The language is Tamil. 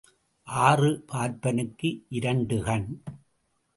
ஆறு பார்ப்பானுக்கு இரண்டு கண்.